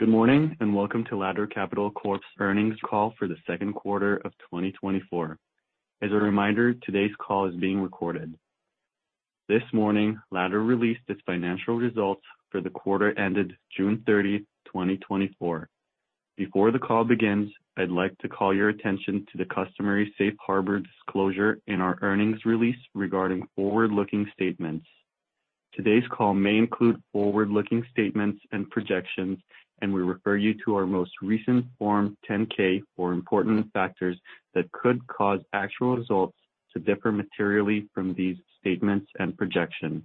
Good morning and welcome to Ladder Capital Corp's earnings call for the second quarter of 2024. As a reminder, today's call is being recorded. This morning, Ladder released its financial results for the quarter ended June 30, 2024. Before the call begins, I'd like to call your attention to the Safe Harbor disclosure in our earnings release regarding forward-looking statements. Today's call may include forward-looking statements and projections, and we refer you to our most recent Form 10-K for important factors that could cause actual results to differ materially from these statements and projections.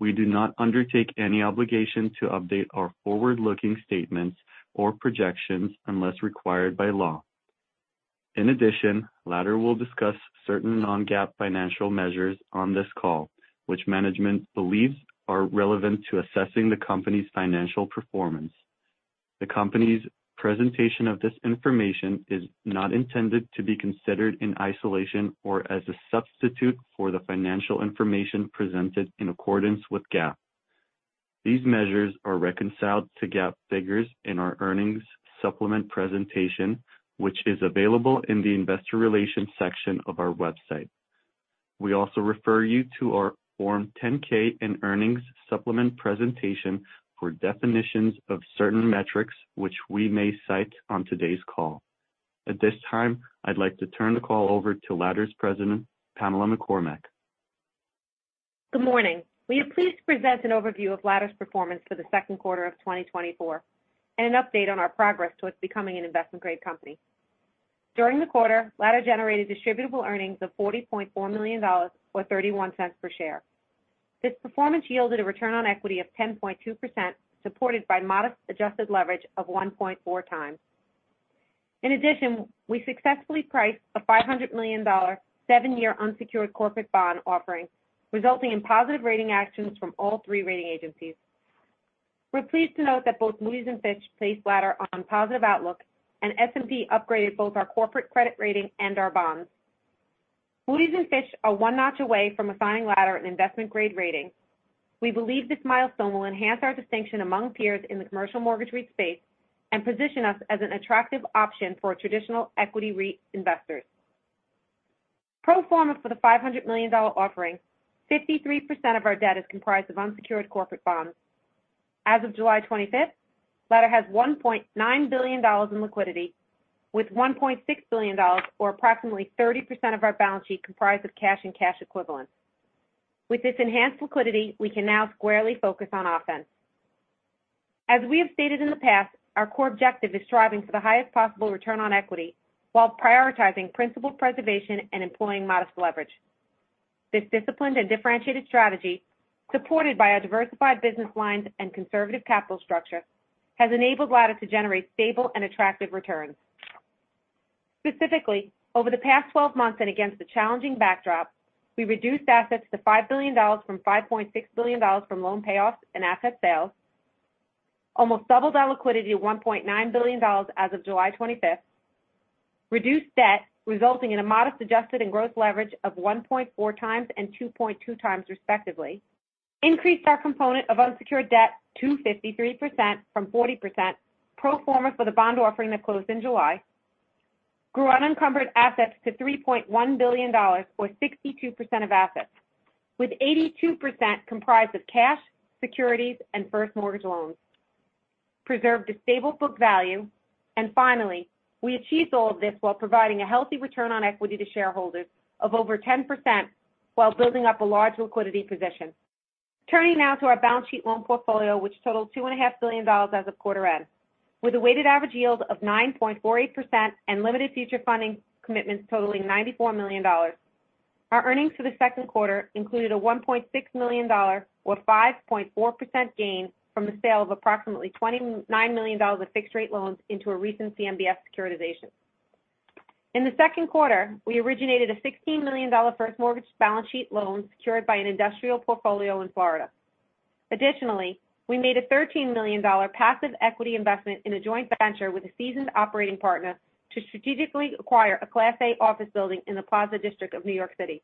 We do not undertake any obligation to update our forward-looking statements or projections unless required by law. In addition, Ladder will discuss certain non-GAAP financial measures on this call, which management believes are relevant to assessing the company's financial performance. The company's presentation of this information is not intended to be considered in isolation or as a substitute for the financial information presented in accordance with GAAP. These measures are reconciled to GAAP figures in our earnings supplement presentation, which is available in the investor relations section of our website. We also refer you to our Form 10-K and earnings supplement presentation for definitions of certain metrics, which we may cite on today's call. At this time, I'd like to turn the call over to Ladder's President, Pamela McCormack. Good morning. Will you please present an overview of Ladder's performance for the second quarter of 2024 and an update on our progress towards becoming an investment-grade company? During the quarter, Ladder generated distributable earnings of $40.4 million or $0.31 per share. This performance yielded a return on equity of 10.2%, supported by modest adjusted leverage of 1.4x. In addition, we successfully priced a $500 million seven-year unsecured corporate bond offering, resulting in positive rating actions from all three rating agencies. We're pleased to note that both Moody's and Fitch placed Ladder on positive outlook, and S&P upgraded both our corporate credit rating and our bonds. Moody's and Fitch are one notch away from assigning Ladder an investment-grade rating. We believe this milestone will enhance our distinction among peers in the commercial mortgage REIT space and position us as an attractive option for traditional equity REIT investors. Pro forma for the $500 million offering, 53% of our debt is comprised of unsecured corporate bonds. As of July 25th, Ladder has $1.9 billion in liquidity, with $1.6 billion, or approximately 30% of our balance sheet, comprised of cash and cash equivalents. With this enhanced liquidity, we can now squarely focus on offense. As we have stated in the past, our core objective is striving for the highest possible return on equity while prioritizing principal preservation and employing modest leverage. This disciplined and differentiated strategy, supported by our diversified business lines and conservative capital structure, has enabled Ladder to generate stable and attractive returns. Specifically, over the past 12 months and against a challenging backdrop, we reduced assets to $5 billion from $5.6 billion from loan payoffs and asset sales, almost doubled our liquidity to $1.9 billion as of July 25th, reduced debt, resulting in a modest adjusted and gross leverage of 1.4x and 2.2x, respectively, increased our component of unsecured debt to 53% from 40%, pro forma for the bond offering that closed in July, grew unencumbered assets to $3.1 billion, or 62% of assets, with 82% comprised of cash, securities, and first mortgage loans, preserved a stable book value. Finally, we achieved all of this while providing a healthy return on equity to shareholders of over 10% while building up a large liquidity position. Turning now to our balance sheet loan portfolio, which totaled $2.5 billion as of quarter end, with a weighted average yield of 9.48% and limited future funding commitments totaling $94 million. Our earnings for the second quarter included a $1.6 million, or 5.4%, gain from the sale of approximately $29 million of fixed-rate loans into a recent CMBS securitization. In the second quarter, we originated a $16 million first mortgage balance sheet loan secured by an industrial portfolio in Florida. Additionally, we made a $13 million passive equity investment in a joint venture with a seasoned operating partner to strategically acquire a Class A office building in the Plaza District of New York City.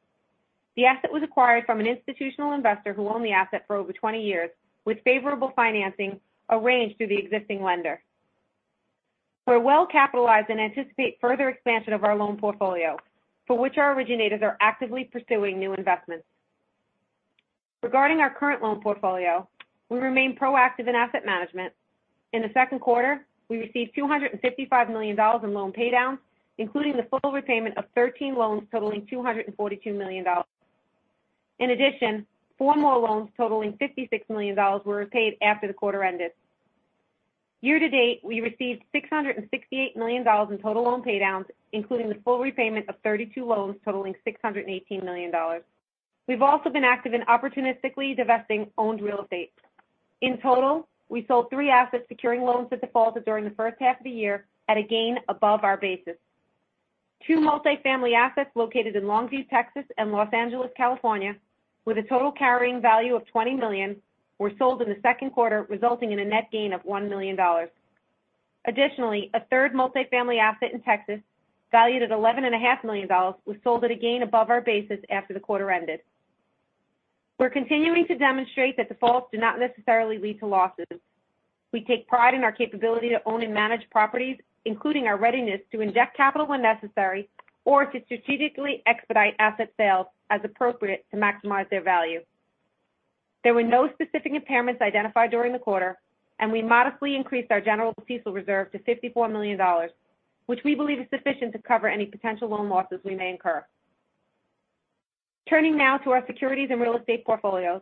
The asset was acquired from an institutional investor who owned the asset for over 20 years, with favorable financing arranged through the existing lender. We're well capitalized and anticipate further expansion of our loan portfolio, for which our originators are actively pursuing new investments. Regarding our current loan portfolio, we remain proactive in asset management. In the second quarter, we received $255 million in loan paydowns, including the full repayment of 13 loans totaling $242 million. In addition, four more loans totaling $56 million were repaid after the quarter ended. Year to date, we received $668 million in total loan paydowns, including the full repayment of 32 loans totaling $618 million. We've also been active in opportunistically divesting owned real estate. In total, we sold three assets securing loans that defaulted during the first half of the year at a gain above our basis. Two multifamily assets located in Longview, Texas, and Los Angeles, California, with a total carrying value of $20 million, were sold in the second quarter, resulting in a net gain of $1 million. Additionally, a third multifamily asset in Texas, valued at $11.5 million, was sold at a gain above our basis after the quarter ended. We're continuing to demonstrate that defaults do not necessarily lead to losses. We take pride in our capability to own and manage properties, including our readiness to inject capital when necessary or to strategically expedite asset sales as appropriate to maximize their value. There were no specific impairments identified during the quarter, and we modestly increased our general CECL reserve to $54 million, which we believe is sufficient to cover any potential loan losses we may incur. Turning now to our securities and real estate portfolios,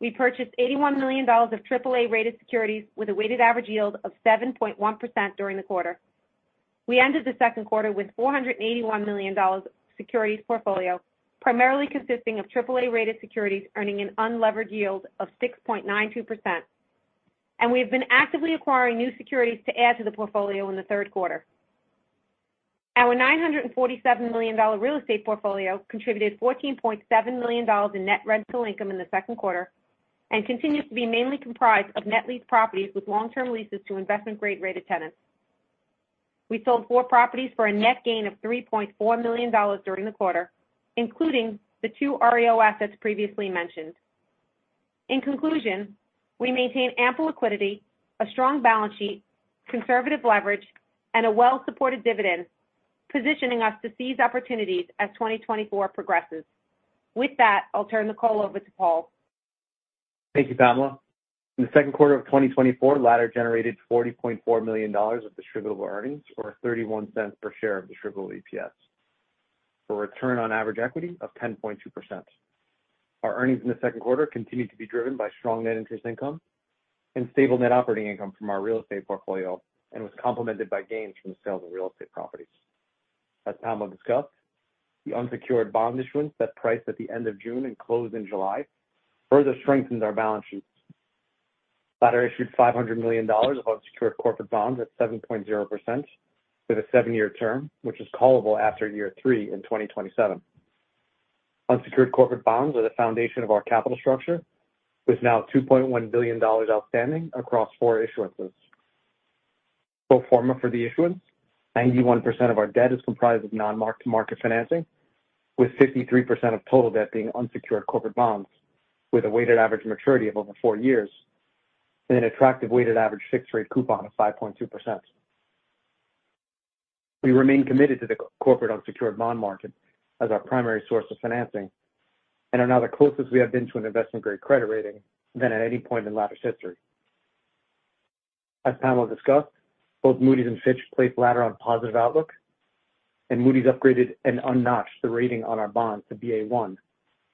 we purchased $81 million of AAA-rated securities with a weighted average yield of 7.1% during the quarter. We ended the second quarter with $481 million of securities portfolio, primarily consisting of AAA-rated securities earning an unleveraged yield of 6.92%. We have been actively acquiring new securities to add to the portfolio in the third quarter. Our $947 million real estate portfolio contributed $14.7 million in net rental income in the second quarter and continues to be mainly comprised of net lease properties with long-term leases to investment-grade rated tenants. We sold four properties for a net gain of $3.4 million during the quarter, including the two REO assets previously mentioned. In conclusion, we maintain ample liquidity, a strong balance sheet, conservative leverage, and a well-supported dividend, positioning us to seize opportunities as 2024 progresses. With that, I'll turn the call over to Paul. Thank you, Pamela. In the second quarter of 2024, Ladder generated $40.4 million of distributable earnings, or $0.31 per share of distributable EPS, for a return on average equity of 10.2%. Our earnings in the second quarter continued to be driven by strong net interest income and stable net operating income from our real estate portfolio and was complemented by gains from the sales of real estate properties. As Pamela discussed, the unsecured bond issuance that priced at the end of June and closed in July further strengthened our balance sheet. Ladder issued $500 million of unsecured corporate bonds at 7.0% with a seven-year term, which is callable after year three in 2027. Unsecured corporate bonds are the foundation of our capital structure, with now $2.1 billion outstanding across four issuances. Pro forma for the issuance, 91% of our debt is comprised of non-marked-to-market financing, with 53% of total debt being unsecured corporate bonds, with a weighted average maturity of over 4 years and an attractive weighted average fixed-rate coupon of 5.2%. We remain committed to the corporate unsecured bond market as our primary source of financing, and are now the closest we have been to an investment-grade credit rating than at any point in Ladder's history. As Pamela discussed, both Moody's and Fitch placed Ladder on positive outlook, and Moody's upgraded and unnotched the rating on our bonds to Ba1,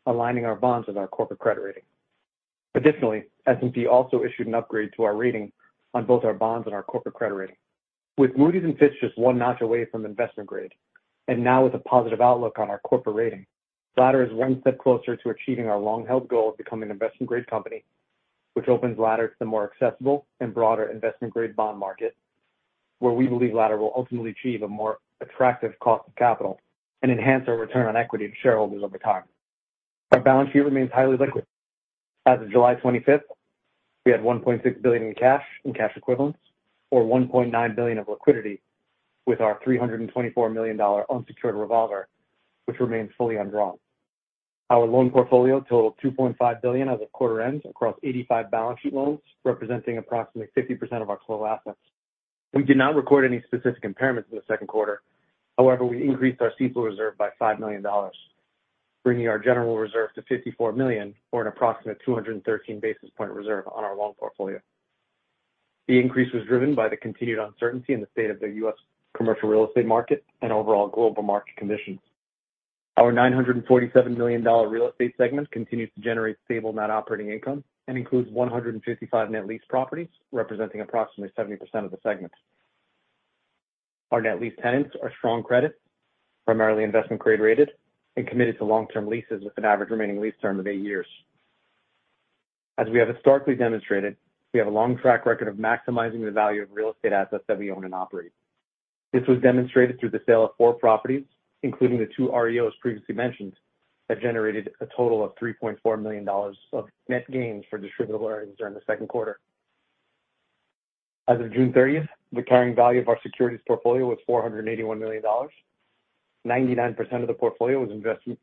aligning our bonds with our corporate credit rating. Additionally, S&P also issued an upgrade to our rating on both our bonds and our corporate credit rating. With Moody's and Fitch just one notch away from investment-grade and now with a positive outlook on our corporate rating, Ladder is one step closer to achieving our long-held goal of becoming an investment-grade company, which opens Ladder to the more accessible and broader investment-grade bond market, where we believe Ladder will ultimately achieve a more attractive cost of capital and enhance our return on equity to shareholders over time. Our balance sheet remains highly liquid. As of July 25th, we had $1.6 billion in cash and cash equivalents, or $1.9 billion of liquidity, with our $324 million unsecured revolver, which remains fully undrawn. Our loan portfolio totaled $2.5 billion as of quarter end across 85 balance sheet loans, representing approximately 50% of our total assets. We did not record any specific impairments in the second quarter. However, we increased our CECL reserve by $5 million, bringing our general reserve to $54 million, or an approximate 213 basis points reserve on our loan portfolio. The increase was driven by the continued uncertainty in the state of the U.S. commercial real estate market and overall global market conditions. Our $947 million real estate segment continues to generate stable net operating income and includes 155 net lease properties, representing approximately 70% of the segment. Our net lease tenants are strong credit, primarily investment-grade rated, and committed to long-term leases with an average remaining lease term of eight years. As we have historically demonstrated, we have a long track record of maximizing the value of real estate assets that we own and operate. This was demonstrated through the sale of four properties, including the two REOs previously mentioned, that generated a total of $3.4 million of net gains for distributable earnings during the second quarter. As of June 30th, the carrying value of our securities portfolio was $481 million. 99% of the portfolio was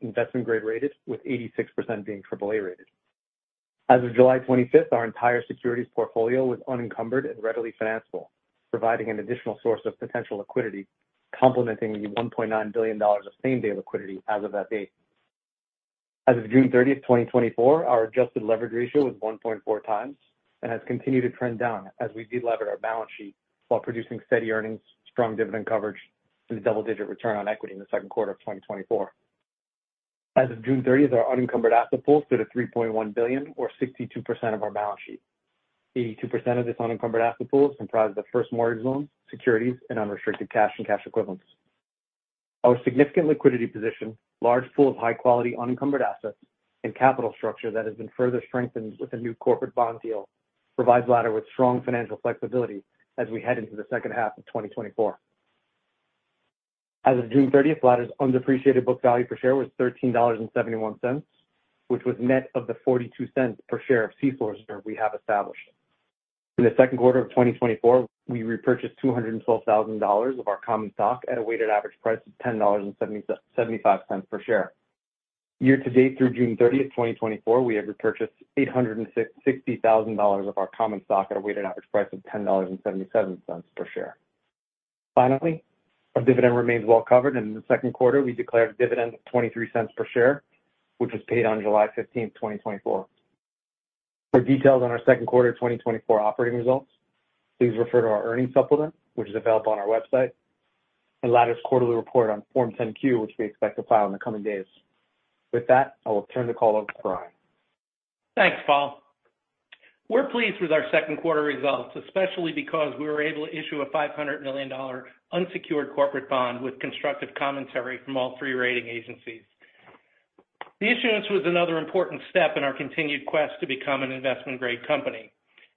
investment-grade rated, with 86% being AAA-rated. As of July 25th, our entire securities portfolio was unencumbered and readily financeable, providing an additional source of potential liquidity, complementing the $1.9 billion of same-day liquidity as of that date. As of June 30, 2024, our adjusted leverage ratio was 1.4x and has continued to trend down as we de-levered our balance sheet while producing steady earnings, strong dividend coverage, and a double-digit return on equity in the second quarter of 2024. As of June 30, our unencumbered asset pool stood at $3.1 billion, or 62% of our balance sheet. 82% of this unencumbered asset pool is comprised of first mortgage loans, securities, and unrestricted cash and cash equivalents. Our significant liquidity position, large pool of high-quality unencumbered assets, and capital structure that has been further strengthened with a new corporate bond deal provide Ladder with strong financial flexibility as we head into the second half of 2024. As of June 30, Ladder's undepreciated book value per share was $13.71, which was net of the $0.42 per share of CECL reserve we have established. In the second quarter of 2024, we repurchased $212,000 of our common stock at a weighted average price of $10.75 per share. Year to date, through June 30, 2024, we have repurchased $860,000 of our common stock at a weighted average price of $10.77 per share. Finally, our dividend remains well covered, and in the second quarter, we declared a dividend of $0.23 per share, which was paid on July 15, 2024. For details on our second quarter 2024 operating results, please refer to our earnings supplement, which is available on our website, and Ladder's quarterly report on Form 10-Q, which we expect to file in the coming days. With that, I will turn the call over to Brian. Thanks, Paul. We're pleased with our second quarter results, especially because we were able to issue a $500 million unsecured corporate bond with constructive commentary from all three rating agencies. The issuance was another important step in our continued quest to become an investment-grade company.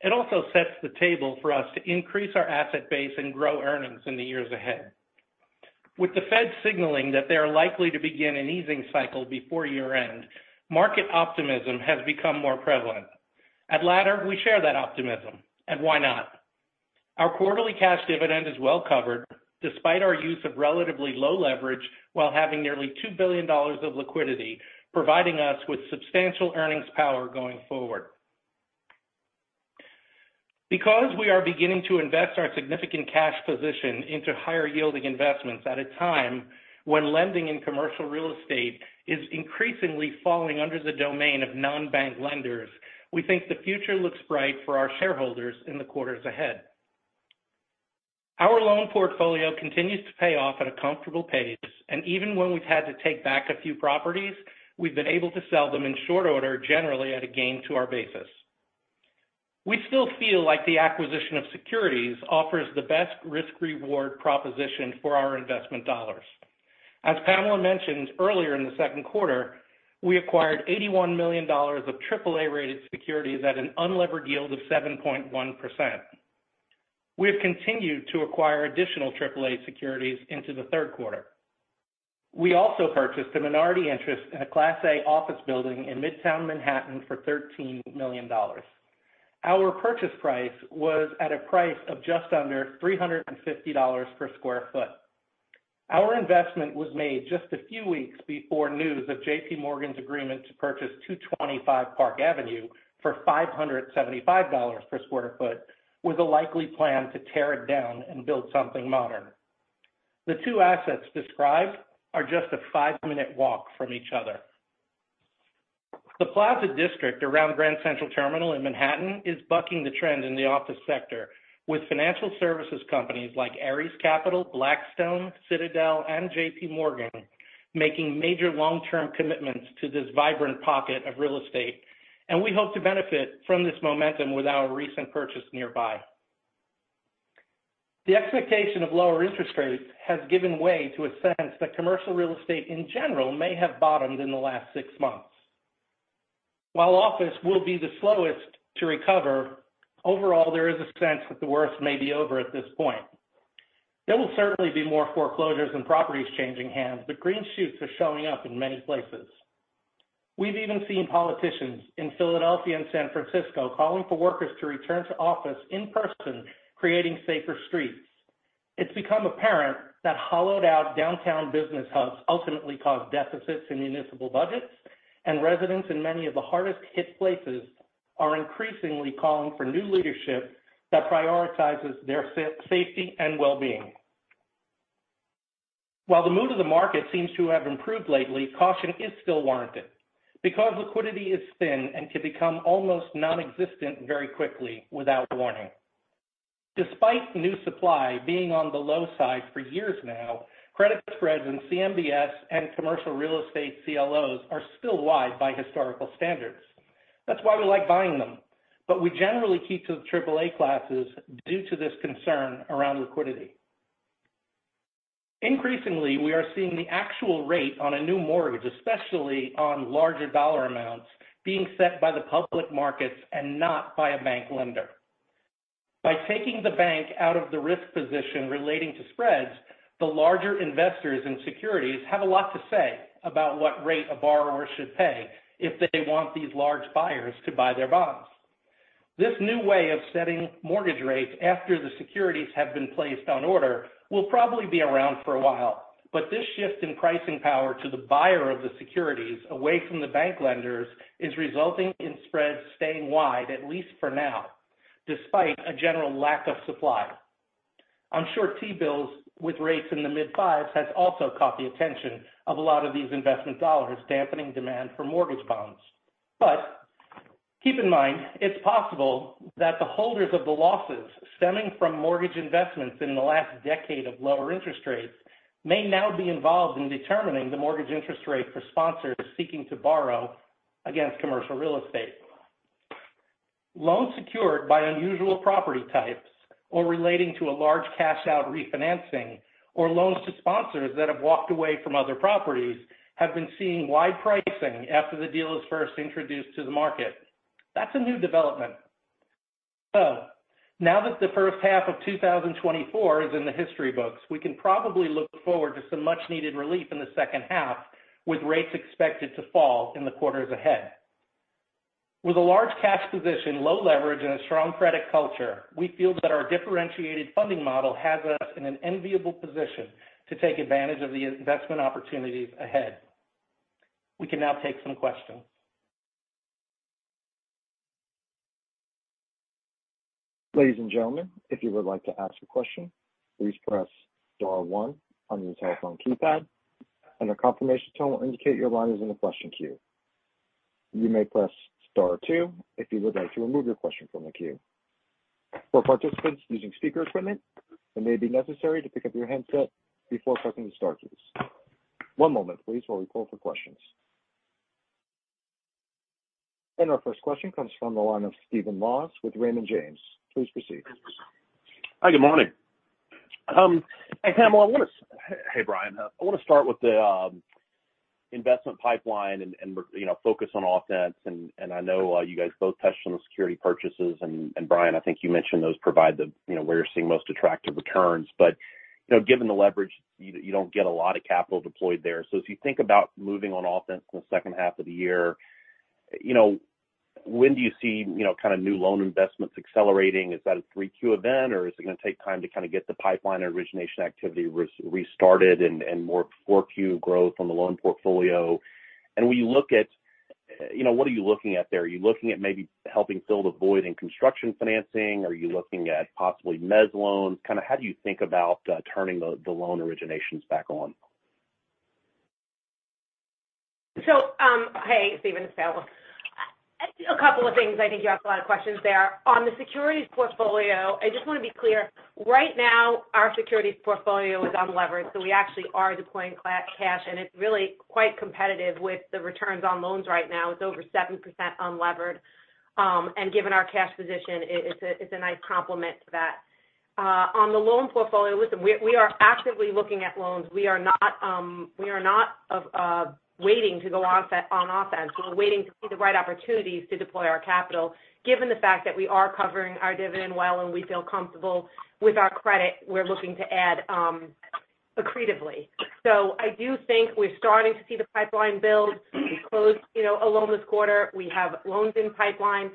It also sets the table for us to increase our asset base and grow earnings in the years ahead. With the Fed signaling that they are likely to begin an easing cycle before year-end, market optimism has become more prevalent. At Ladder, we share that optimism, and why not? Our quarterly cash dividend is well covered, despite our use of relatively low leverage while having nearly $2 billion of liquidity, providing us with substantial earnings power going forward. Because we are beginning to invest our significant cash position into higher-yielding investments at a time when lending in commercial real estate is increasingly falling under the domain of non-bank lenders, we think the future looks bright for our shareholders in the quarters ahead. Our loan portfolio continues to pay off at a comfortable pace, and even when we've had to take back a few properties, we've been able to sell them in short order, generally at a gain to our basis. We still feel like the acquisition of securities offers the best risk-reward proposition for our investment dollars. As Pamela mentioned earlier in the second quarter, we acquired $81 million of AAA-rated securities at an unleveraged yield of 7.1%. We have continued to acquire additional AAA securities into the third quarter. We also purchased a minority interest in a Class A office building in Midtown Manhattan for $13 million. Our purchase price was at a price of just under $350 per square foot. Our investment was made just a few weeks before news of JPMorgan's agreement to purchase 225 Park Avenue for $575 per square foot, with a likely plan to tear it down and build something modern. The two assets described are just a five-minute walk from each other. The Plaza District around Grand Central Terminal in Manhattan is bucking the trend in the office sector, with financial services companies like Ares Management, Blackstone, Citadel, and JPMorgan making major long-term commitments to this vibrant pocket of real estate, and we hope to benefit from this momentum with our recent purchase nearby. The expectation of lower interest rates has given way to a sense that commercial real estate in general may have bottomed in the last six months. While office will be the slowest to recover, overall, there is a sense that the worst may be over at this point. There will certainly be more foreclosures and properties changing hands, but green shoots are showing up in many places. We've even seen politicians in Philadelphia and San Francisco calling for workers to return to office in person, creating safer streets. It's become apparent that hollowed-out downtown business hubs ultimately cause deficits in municipal budgets, and residents in many of the hardest-hit places are increasingly calling for new leadership that prioritizes their safety and well-being. While the mood of the market seems to have improved lately, caution is still warranted because liquidity is thin and can become almost nonexistent very quickly without warning. Despite new supply being on the low side for years now, credit spreads in CMBS and commercial real estate CLOs are still wide by historical standards. That's why we like buying them, but we generally keep to the AAA classes due to this concern around liquidity. Increasingly, we are seeing the actual rate on a new mortgage, especially on larger dollar amounts, being set by the public markets and not by a bank lender. By taking the bank out of the risk position relating to spreads, the larger investors in securities have a lot to say about what rate a borrower should pay if they want these large buyers to buy their bonds. This new way of setting mortgage rates after the securities have been placed on order will probably be around for a while, but this shift in pricing power to the buyer of the securities away from the bank lenders is resulting in spreads staying wide, at least for now, despite a general lack of supply. I'm sure T-bills with rates in the mid-fives has also caught the attention of a lot of these investment dollars, dampening demand for mortgage bonds. But keep in mind, it's possible that the holders of the losses stemming from mortgage investments in the last decade of lower interest rates may now be involved in determining the mortgage interest rate for sponsors seeking to borrow against commercial real estate. Loans secured by unusual property types or relating to a large cash-out refinancing or loans to sponsors that have walked away from other properties have been seeing wide pricing after the deal is first introduced to the market. That's a new development. So now that the first half of 2024 is in the history books, we can probably look forward to some much-needed relief in the second half, with rates expected to fall in the quarters ahead. With a large cash position, low leverage, and a strong credit culture, we feel that our differentiated funding model has us in an enviable position to take advantage of the investment opportunities ahead. We can now take some questions. Ladies and gentlemen, if you would like to ask a question, please press Star one on your telephone keypad, and a confirmation tone will indicate your line is in the question queue. You may press Star two if you would like to remove your question from the queue. For participants using speaker equipment, it may be necessary to pick up your handset before pressing the Star keys. One moment, please, while we pull up the questions. And our first question comes from the line of Stephen Laws with Raymond James. Please proceed. Hi, good morning. Hey, Pamela. Hey, Brian. I want to start with the investment pipeline and focus on offense. And I know you guys both touched on the securities purchases, and Brian, I think you mentioned those provide the where you're seeing most attractive returns. But given the leverage, you don't get a lot of capital deployed there. So if you think about moving on offense in the second half of the year, when do you see kind of new loan investments accelerating? Is that a 3Q event, or is it going to take time to kind of get the pipeline origination activity restarted and more 4Q growth on the loan portfolio? And when you look at what are you looking at there? Are you looking at maybe helping fill the void in construction financing? Are you looking at possibly mezz loans? Kind of how do you think about turning the loan originations back on? So hey, Stephen and Pamela, a couple of things. I think you asked a lot of questions there. On the securities portfolio, I just want to be clear. Right now, our securities portfolio is unleveraged, so we actually are deploying cash, and it's really quite competitive with the returns on loans right now. It's over 7% unleveraged. And given our cash position, it's a nice complement to that. On the loan portfolio, listen, we are actively looking at loans. We are not waiting to go on offense. We're waiting to see the right opportunities to deploy our capital. Given the fact that we are covering our dividend well and we feel comfortable with our credit, we're looking to add accretively. So I do think we're starting to see the pipeline build. We closed a loan this quarter. We have loans in pipeline.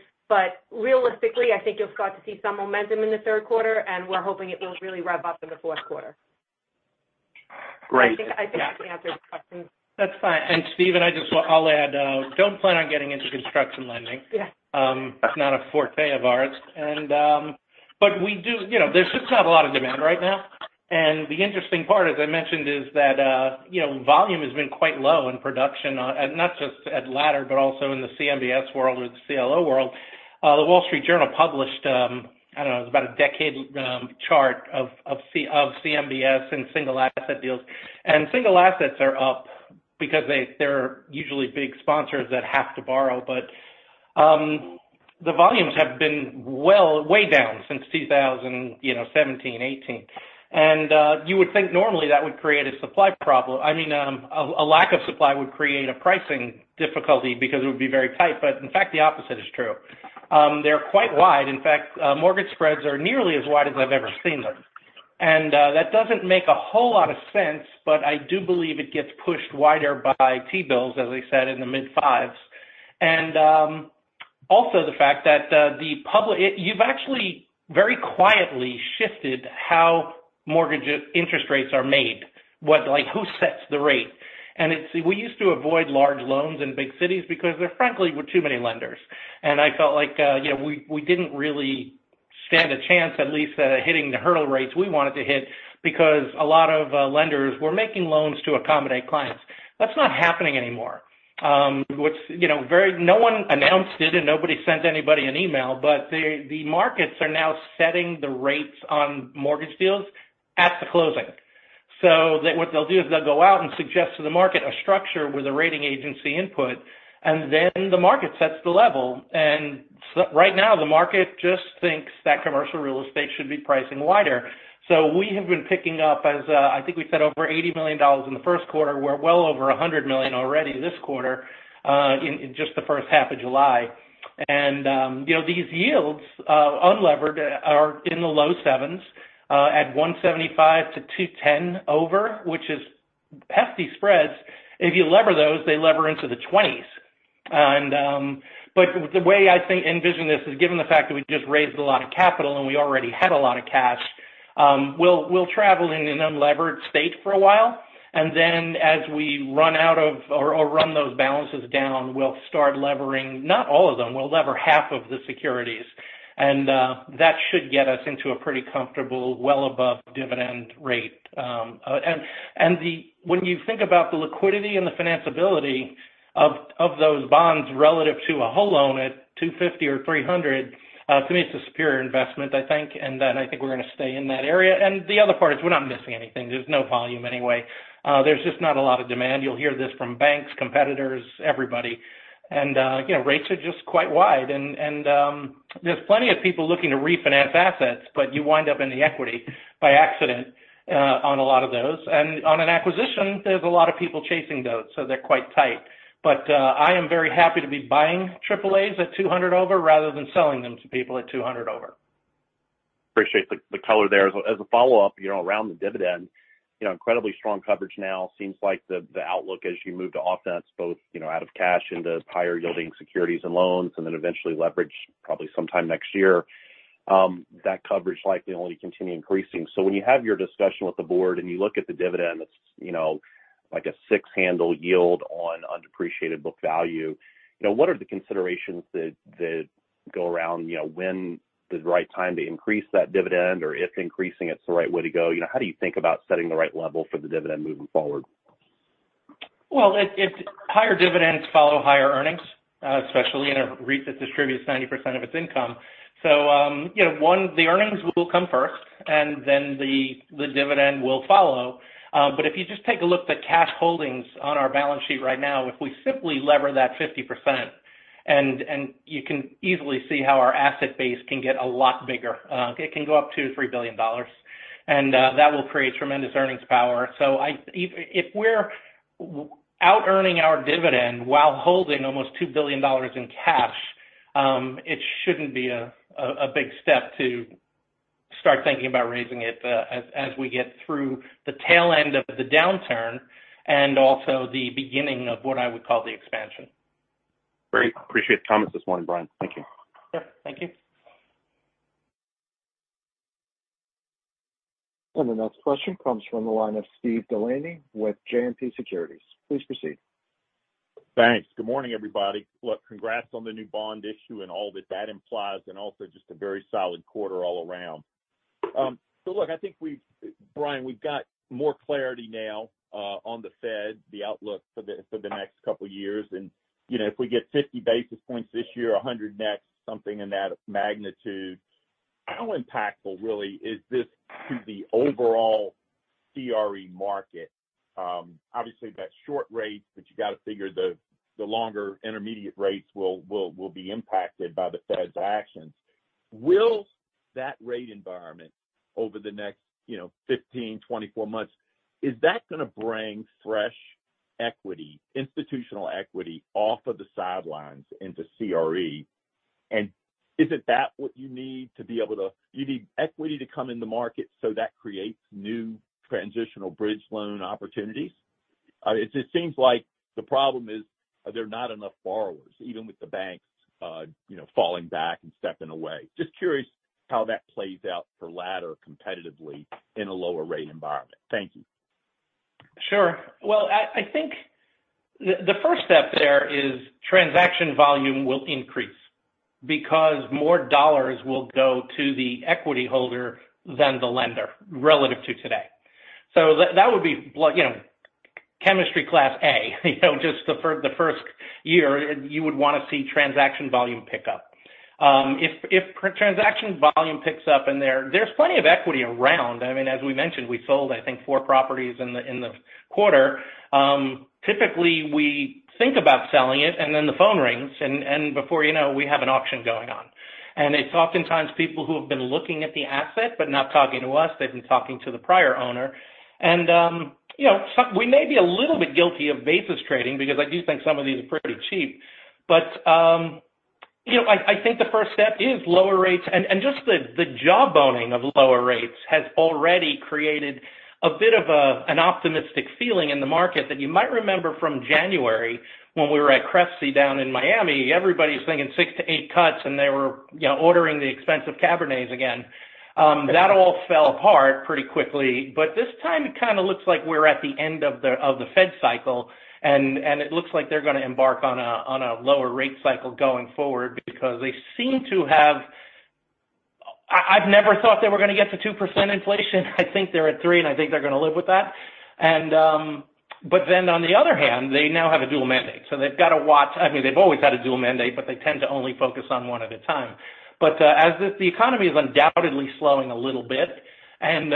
Realistically, I think you'll start to see some momentum in the third quarter, and we're hoping it will really rev up in the fourth quarter. Great. I think that answers the questions. That's fine. Stephen, I'll add, don't plan on getting into construction lending. Yeah. It's not a forte of ours. But there's just not a lot of demand right now. And the interesting part, as I mentioned, is that volume has been quite low in production, not just at Ladder, but also in the CMBS world or the CLO world. The Wall Street Journal published, I don't know, it was about a decade chart of CMBS and single asset deals. And single assets are up because they're usually big sponsors that have to borrow. But the volumes have been way down since 2017, 2018. And you would think normally that would create a supply problem. I mean, a lack of supply would create a pricing difficulty because it would be very tight. But in fact, the opposite is true. They're quite wide. In fact, mortgage spreads are nearly as wide as I've ever seen them. And that doesn't make a whole lot of sense, but I do believe it gets pushed wider by T-bills, as I said, in the mid-fives. And also the fact that you've actually very quietly shifted how mortgage interest rates are made, like who sets the rate. And we used to avoid large loans in big cities because there, frankly, were too many lenders. And I felt like we didn't really stand a chance, at least hitting the hurdle rates we wanted to hit because a lot of lenders were making loans to accommodate clients. That's not happening anymore. No one announced it, and nobody sent anybody an email, but the markets are now setting the rates on mortgage deals at the closing. So what they'll do is they'll go out and suggest to the market a structure with a rating agency input, and then the market sets the level. Right now, the market just thinks that commercial real estate should be pricing wider. So we have been picking up, as I think we said, over $80 million in the first quarter. We're well over $100 million already this quarter in just the first half of July. And these yields unleveraged are in the low sevens at 175-210 million over, which is hefty spreads. If you lever those, they lever into the 20s. But the way I think envision this is given the fact that we just raised a lot of capital and we already had a lot of cash, we'll travel in an unleveraged state for a while. And then as we run out of or run those balances down, we'll start levering, not all of them, we'll lever half of the securities. And that should get us into a pretty comfortable, well-above dividend rate. And when you think about the liquidity and the financeability of those bonds relative to a whole loan at 250 or 300, to me, it's a superior investment, I think. And then I think we're going to stay in that area. And the other part is we're not missing anything. There's no volume anyway. There's just not a lot of demand. You'll hear this from banks, competitors, everybody. And rates are just quite wide. And there's plenty of people looking to refinance assets, but you wind up in the equity by accident on a lot of those. And on an acquisition, there's a lot of people chasing those, so they're quite tight. But I am very happy to be buying AAAs at 200 over rather than selling them to people at 200 over. Appreciate the color there. As a follow-up around the dividend, incredibly strong coverage now. Seems like the outlook as you move to offense, both out of cash into higher-yielding securities and loans, and then eventually leverage probably sometime next year, that coverage likely only continue increasing. So when you have your discussion with the board and you look at the dividend, it's like a six-handle yield on undepreciated book value. What are the considerations that go around when the right time to increase that dividend, or if increasing it's the right way to go? How do you think about setting the right level for the dividend moving forward? Well, higher dividends follow higher earnings, especially in a REIT that distributes 90% of its income. So the earnings will come first, and then the dividend will follow. But if you just take a look at the cash holdings on our balance sheet right now, if we simply leverage that 50%, you can easily see how our asset base can get a lot bigger. It can go up to $3 billion. And that will create tremendous earnings power. So if we're out-earning our dividend while holding almost $2 billion in cash, it shouldn't be a big step to start thinking about raising it as we get through the tail end of the downturn and also the beginning of what I would call the expansion. Great. Appreciate the comments this morning, Brian. Thank you. Yep. Thank you. The next question comes from the line of Steve Delaney with JMP Securities. Please proceed. Thanks. Good morning, everybody. Look, congrats on the new bond issue and all that that implies, and also just a very solid quarter all around. So look, I think, Brian, we've got more clarity now on the Fed, the outlook for the next couple of years. And if we get 50 basis points this year, 100 next, something in that magnitude, how impactful really is this to the overall CRE market? Obviously, that's short rates, but you got to figure the longer intermediate rates will be impacted by the Fed's actions. Will that rate environment over the next 15, 24 months, is that going to bring fresh equity, institutional equity off of the sidelines into CRE? And isn't that what you need to be able to you need equity to come in the market so that creates new transitional bridge loan opportunities? It seems like the problem is there are not enough borrowers, even with the banks falling back and stepping away. Just curious how that plays out for Ladder competitively in a lower rate environment? Thank you. Sure. Well, I think the first step there is transaction volume will increase because more dollars will go to the equity holder than the lender relative to today. So that would be chemistry class A, just the first year, you would want to see transaction volume pick up. If transaction volume picks up, and there's plenty of equity around. I mean, as we mentioned, we sold, I think, four properties in the quarter. Typically, we think about selling it, and then the phone rings, and before you know it, we have an auction going on. And it's oftentimes people who have been looking at the asset but not talking to us. They've been talking to the prior owner. And we may be a little bit guilty of basis trading because I do think some of these are pretty cheap. But I think the first step is lower rates. Just the jawboning of lower rates has already created a bit of an optimistic feeling in the market that you might remember from January when we were at CREFC down in Miami. Everybody was thinking 6-8 cuts, and they were ordering the expensive Cabernets again. That all fell apart pretty quickly. This time, it kind of looks like we're at the end of the Fed cycle, and it looks like they're going to embark on a lower rate cycle going forward because they seem to have. I've never thought they were going to get to 2% inflation. I think they're at 3%, and I think they're going to live with that. Then, on the other hand, they now have a dual mandate. So they've got to watch. I mean, they've always had a dual mandate, but they tend to only focus on one at a time. But as the economy is undoubtedly slowing a little bit, and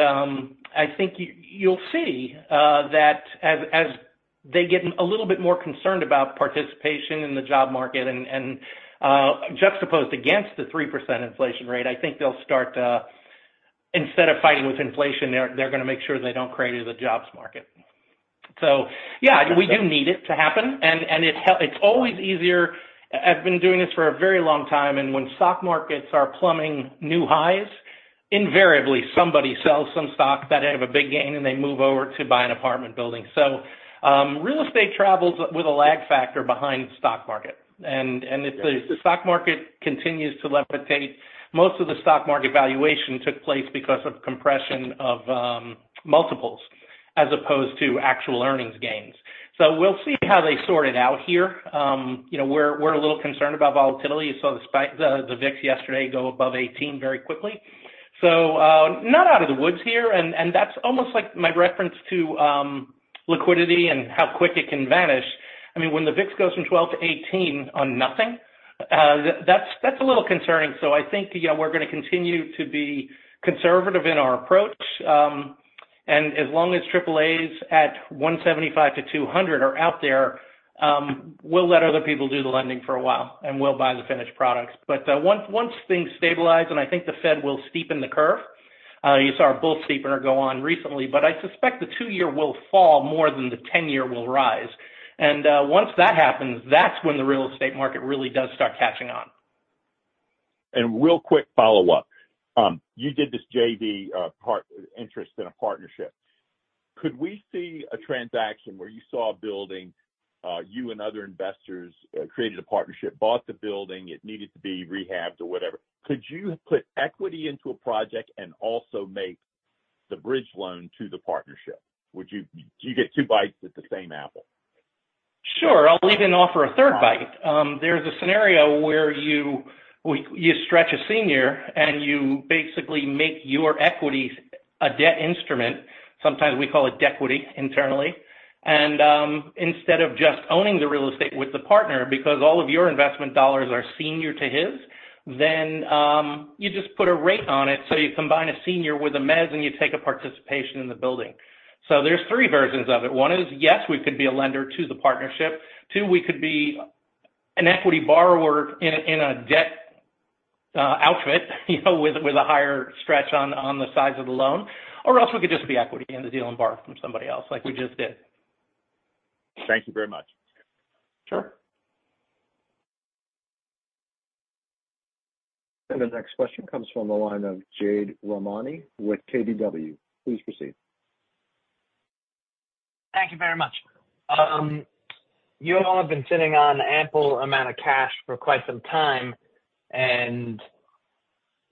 I think you'll see that as they get a little bit more concerned about participation in the job market and juxtaposed against the 3% inflation rate, I think they'll start, instead of fighting with inflation, they're going to make sure they don't crater the jobs market. So yeah, we do need it to happen. And it's always easier. I've been doing this for a very long time. And when stock markets are plumbing new highs, invariably, somebody sells some stock that have a big gain, and they move over to buy an apartment building. So real estate travels with a lag factor behind the stock market. If the stock market continues to levitate, most of the stock market valuation took place because of compression of multiples as opposed to actual earnings gains. So we'll see how they sort it out here. We're a little concerned about volatility. You saw the VIX yesterday go above 18 very quickly. So not out of the woods here. And that's almost like my reference to liquidity and how quick it can vanish. I mean, when the VIX goes from 12-18 on nothing, that's a little concerning. So I think we're going to continue to be conservative in our approach. And as long as AAAs at 175-200 are out there, we'll let other people do the lending for a while, and we'll buy the finished products. But once things stabilize, and I think the Fed will steepen the curve, you saw a bull steepener go on recently, but I suspect the two-year will fall more than the 10-year will rise. And once that happens, that's when the real estate market really does start catching on. Real quick follow-up. You did this JV interest in a partnership. Could we see a transaction where you spot a building, you and other investors created a partnership, bought the building, it needed to be rehabbed or whatever? Could you put equity into a project and also make the bridge loan to the partnership? Do you get two bites at the same apple? Sure. I'll even offer a third bite. There's a scenario where you stretch a senior, and you basically make your equity a debt instrument. Sometimes we call it dequity internally. And instead of just owning the real estate with the partner, because all of your investment dollars are senior to his, then you just put a rate on it. So you combine a senior with a mezz, and you take a participation in the building. So there's three versions of it. One is, yes, we could be a lender to the partnership. Two, we could be an equity borrower in a debt outfit with a higher stretch on the size of the loan. Or else we could just be equity in the deal and borrow from somebody else like we just did. Thank you very much. Sure. And the next question comes from the line of Jade Rahmani with KBW. Please proceed. Thank you very much. You all have been sitting on ample amount of cash for quite some time and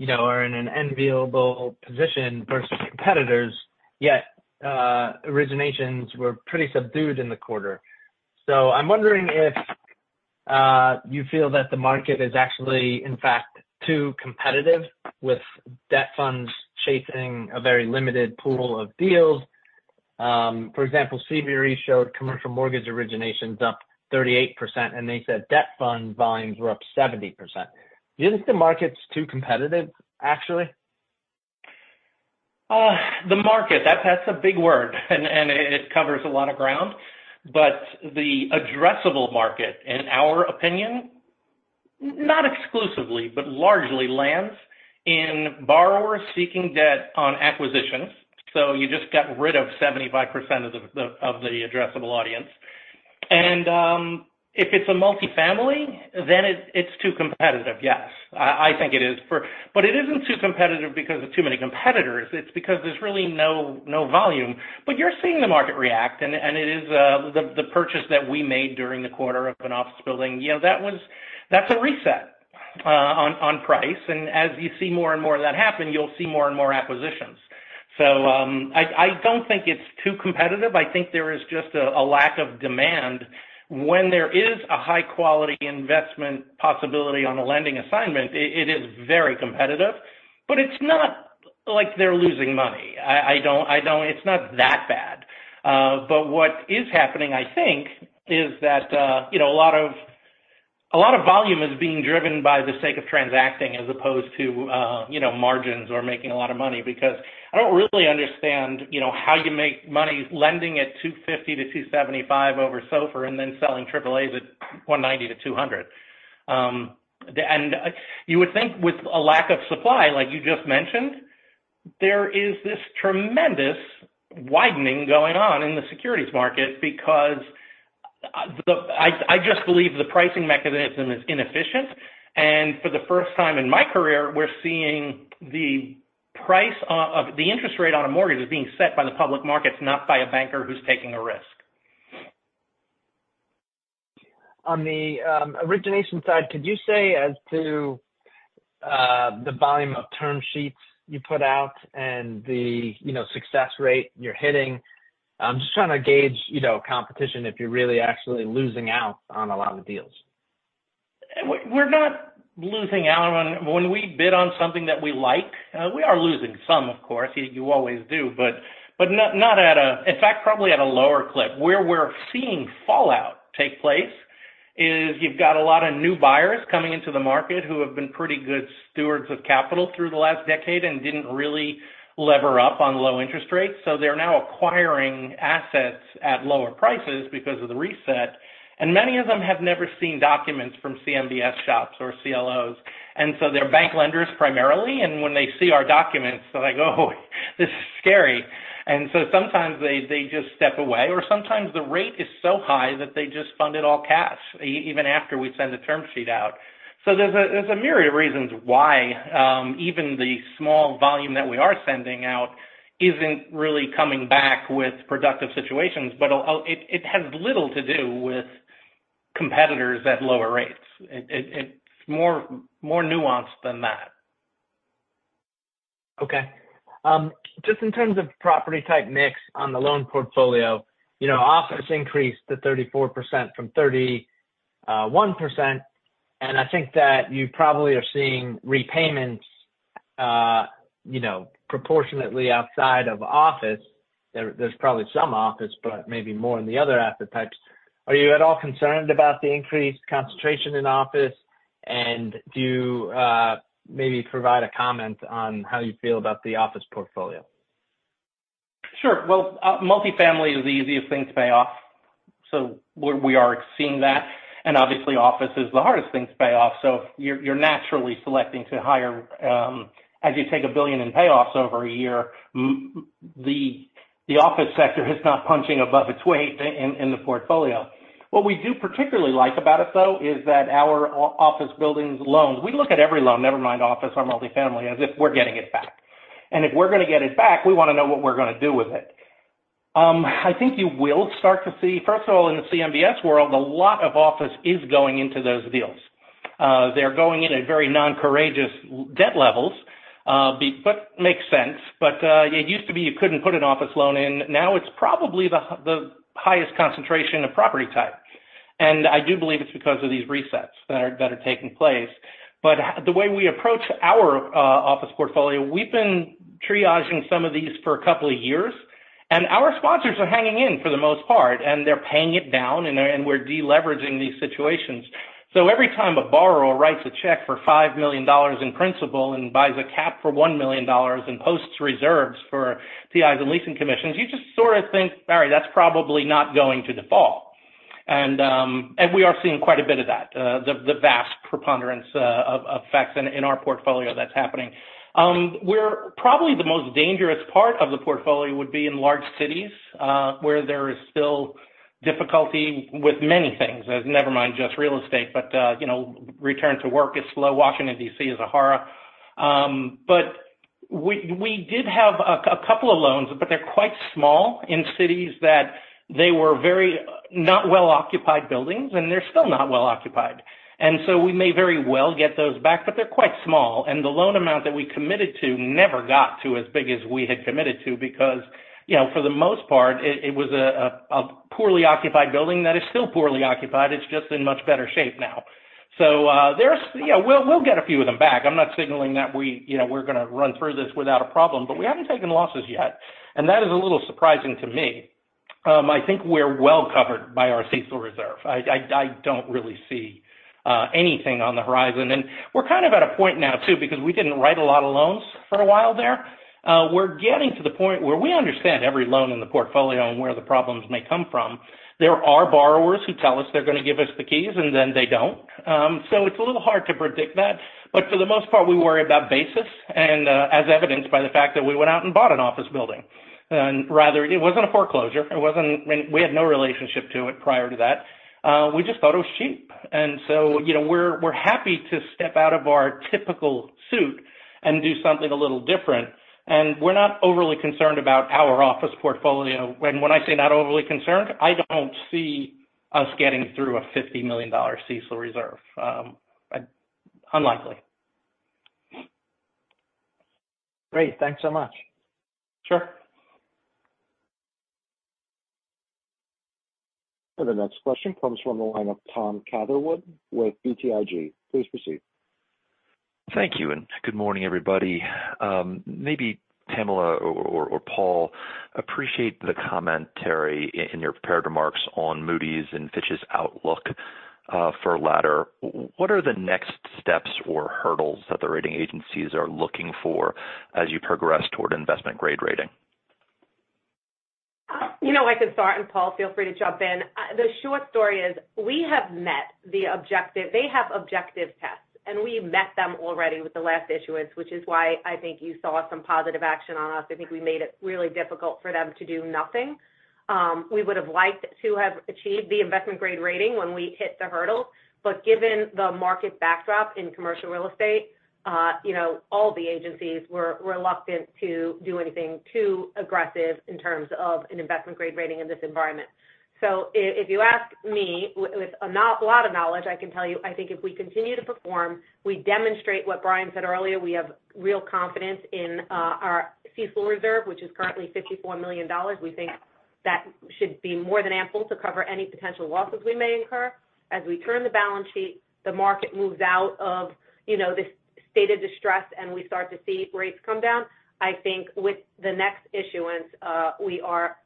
are in an enviable position versus competitors, yet originations were pretty subdued in the quarter. So I'm wondering if you feel that the market is actually, in fact, too competitive with debt funds chasing a very limited pool of deals. For example, CBRE showed commercial mortgage originations up 38%, and they said debt fund volumes were up 70%. Do you think the market's too competitive, actually? The market, that's a big word, and it covers a lot of ground. But the addressable market, in our opinion, not exclusively, but largely lands in borrowers seeking debt on acquisitions. So you just got rid of 75% of the addressable audience. And if it's a multifamily, then it's too competitive, yes. I think it is. But it isn't too competitive because of too many competitors. It's because there's really no volume. But you're seeing the market react, and it is the purchase that we made during the quarter of an office building. That's a reset on price. And as you see more and more of that happen, you'll see more and more acquisitions. So I don't think it's too competitive. I think there is just a lack of demand. When there is a high-quality investment possibility on a lending assignment, it is very competitive. But it's not like they're losing money. It's not that bad. But what is happening, I think, is that a lot of volume is being driven by the sake of transacting as opposed to margins or making a lot of money because I don't really understand how you make money lending at 250-275 over SOFR and then selling AAAs at 190-200. And you would think with a lack of supply, like you just mentioned, there is this tremendous widening going on in the securities market because I just believe the pricing mechanism is inefficient. And for the first time in my career, we're seeing the interest rate on a mortgage is being set by the public markets, not by a banker who's taking a risk. On the origination side, could you say as to the volume of term sheets you put out and the success rate you're hitting? I'm just trying to gauge competition if you're really actually losing out on a lot of deals. We're not losing out on when we bid on something that we like. We are losing some, of course. You always do. But not at a, in fact, probably at a lower clip. Where we're seeing fallout take place is you've got a lot of new buyers coming into the market who have been pretty good stewards of capital through the last decade and didn't really lever up on low interest rates. So they're now acquiring assets at lower prices because of the reset. And many of them have never seen documents from CMBS shops or CLOs. And so they're bank lenders primarily. And when they see our documents, they're like, Oh, this is scary. And so sometimes they just step away. Or sometimes the rate is so high that they just fund it all cash, even after we send a term sheet out. So there's a myriad of reasons why even the small volume that we are sending out isn't really coming back with productive situations. But it has little to do with competitors at lower rates. It's more nuanced than that. Okay. Just in terms of property type mix on the loan portfolio, office increased to 34% from 31%. And I think that you probably are seeing repayments proportionately outside of office. There's probably some office, but maybe more in the other asset types. Are you at all concerned about the increased concentration in office? And do you maybe provide a comment on how you feel about the office portfolio? Sure. Well, multifamily is the easiest thing to pay off. So we are seeing that. Obviously, office is the hardest thing to pay off. So you're naturally selecting to underwrite as you take $1 billion in payoffs over a year, the office sector is not punching above its weight in the portfolio. What we do particularly like about it, though, is that our office building loans, we look at every loan, never mind office, our multifamily, as if we're getting it back. And if we're going to get it back, we want to know what we're going to do with it. I think you will start to see, first of all, in the CMBS world, a lot of office is going into those deals. They're going in at very non-egregious debt levels, but makes sense. But it used to be you couldn't put an office loan in. Now it's probably the highest concentration of property type. I do believe it's because of these resets that are taking place. The way we approach our office portfolio, we've been triaging some of these for a couple of years. And our sponsors are hanging in for the most part, and they're paying it down, and we're deleveraging these situations. Every time a borrower writes a check for $5 million in principal and buys a cap for $1 million and posts reserves for TIs and leasing commissions, you just sort of think, All right, that's probably not going to default. And we are seeing quite a bit of that, the vast preponderance of effects in our portfolio that's happening. Probably the most dangerous part of the portfolio would be in large cities where there is still difficulty with many things, never mind just real estate. Return to work is slow. Washington, D.C., is a horror. But we did have a couple of loans, but they're quite small in cities that they were very not well-occupied buildings, and they're still not well-occupied. And so we may very well get those back, but they're quite small. And the loan amount that we committed to never got to as big as we had committed to because, for the most part, it was a poorly occupied building that is still poorly occupied. It's just in much better shape now. So we'll get a few of them back. I'm not signaling that we're going to run through this without a problem, but we haven't taken losses yet. And that is a little surprising to me. I think we're well covered by our CECL reserve. I don't really see anything on the horizon. We're kind of at a point now too because we didn't write a lot of loans for a while there. We're getting to the point where we understand every loan in the portfolio and where the problems may come from. There are borrowers who tell us they're going to give us the keys, and then they don't. So it's a little hard to predict that. But for the most part, we worry about basis, as evidenced by the fact that we went out and bought an office building. Rather, it wasn't a foreclosure. We had no relationship to it prior to that. We just thought it was cheap. And so we're happy to step out of our typical suit and do something a little different. And we're not overly concerned about our office portfolio. And when I say not overly concerned, I don't see us getting through a $50 million CECL reserve. Unlikely. Great. Thanks so much. Sure. The next question comes from the line of Tom Catherwood with BTIG. Please proceed. Thank you. Good morning, everybody. Maybe Pamela or Paul, appreciate the commentary, and your prepared remarks on Moody's and Fitch's outlook for Ladder. What are the next steps or hurdles that the rating agencies are looking for as you progress toward investment-grade rating? You know I can start, and Paul, feel free to jump in. The short story is we have met the objective they have objective tests, and we met them already with the last issuance, which is why I think you saw some positive action on us. I think we made it really difficult for them to do nothing. We would have liked to have achieved the investment-grade rating when we hit the hurdle. But given the market backdrop in commercial real estate, all the agencies were reluctant to do anything too aggressive in terms of an investment-grade rating in this environment. So if you ask me with a lot of knowledge, I can tell you, I think if we continue to perform, we demonstrate what Brian said earlier, we have real confidence in our CECL reserve, which is currently $54 million. We think that should be more than ample to cover any potential losses we may incur. As we turn the balance sheet, the market moves out of this state of distress, and we start to see rates come down. I think with the next issuance, we are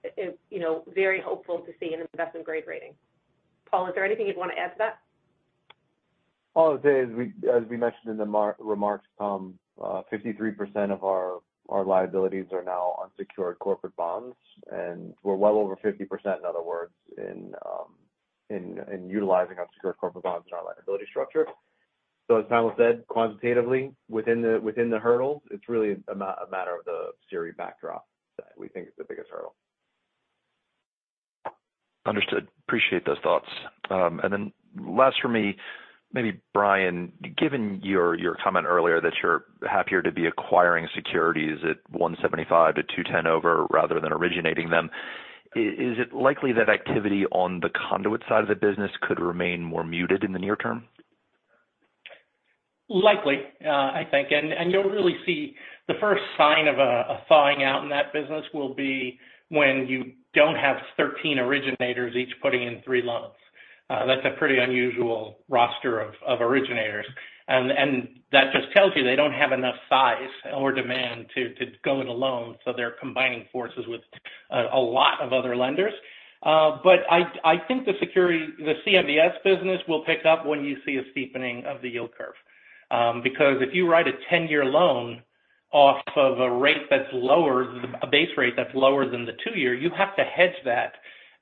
very hopeful to see an investment-grade rating. Paul, is there anything you'd want to add to that? Paul, as we mentioned in the remarks, 53% of our liabilities are now on secured corporate bonds. We're well over 50%, in other words, in utilizing our secured corporate bonds in our liability structure. As Pamela said, quantitatively, within the hurdles, it's really a matter of the CRE backdrop that we think is the biggest hurdle. Understood. Appreciate those thoughts. And then last for me, maybe Brian, given your comment earlier that you're happier to be acquiring securities at 175-210 over rather than originating them, is it likely that activity on the conduit side of the business could remain more muted in the near term? Likely, I think. You'll really see the first sign of a thawing out in that business will be when you don't have 13 originators each putting in three loans. That's a pretty unusual roster of originators. And that just tells you they don't have enough size or demand to go in alone. So they're combining forces with a lot of other lenders. But I think the CMBS business will pick up when you see a steepening of the yield curve. Because if you write a 10-year loan off of a rate that's lower, a base rate that's lower than the two-year, you have to hedge that.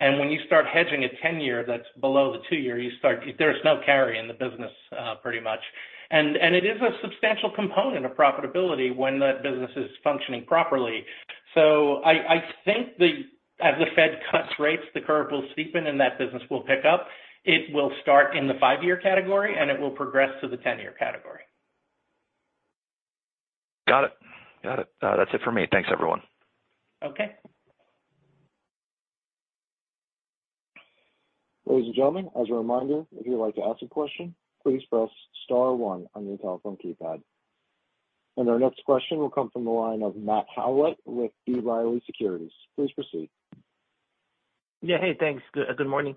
And when you start hedging a 10-year that's below the two-year, there's no carry in the business pretty much. And it is a substantial component of profitability when that business is functioning properly. I think as the Fed cuts rates, the curve will steepen and that business will pick up. It will start in the five-year category, and it will progress to the 10-year category. Got it. Got it. That's it for me. Thanks, everyone. Okay. Ladies and gentlemen, as a reminder, if you'd like to ask a question, please press star one on your telephone keypad. Our next question will come from the line of Matt Howlett with B. Riley Securities. Please proceed. Yeah. Hey, thanks. Good morning.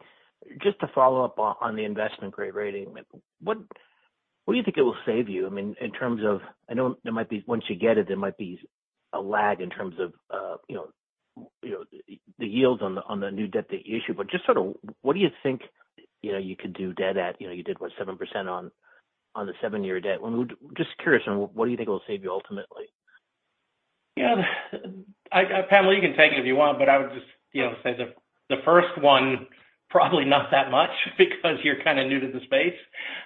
Just to follow up on the investment-grade rating, what do you think it will save you? I mean, in terms of, I know there might be, once you get it, there might be a lag in terms of the yields on the new debt that you issue. But just sort of what do you think you could do debt at? You did what, 7% on the seven-year debt? I'm just curious, what do you think it will save you ultimately? Yeah. Pamela, you can take it if you want, but I would just say the first one, probably not that much because you're kind of new to the space.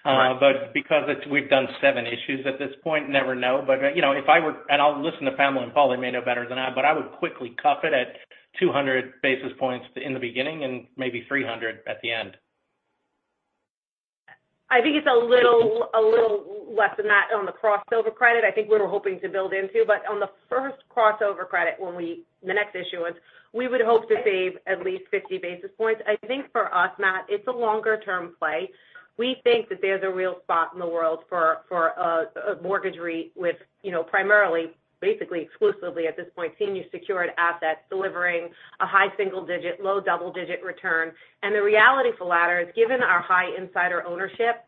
But because we've done seven issues at this point, never know. But if I were, and I'll listen to Pamela and Paul, they may know better than I, but I would quickly cuff it at 200 basis points in the beginning and maybe 300 basis points at the end. I think it's a little less than that on the crossover credit. I think we were hoping to build into. But on the first crossover credit, when the next issue is, we would hope to save at least 50 basis points. I think for us, Matt, it's a longer-term play. We think that there's a real spot in the world for a mortgage REIT with primarily, basically, exclusively at this point, senior secured assets delivering a high single-digit, low double-digit return. And the reality for Ladder is, given our high insider ownership